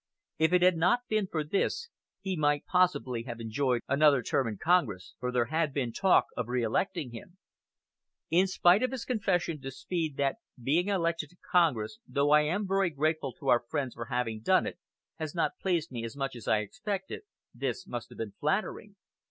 If it had not been for this, he might possibly have enjoyed another term in Congress, for there had been talk of reelecting him. In spite of his confession to Speed that "being elected to Congress, though I am very grateful to our friends for having done it, has not pleased me as much as I expected," this must have been flattering.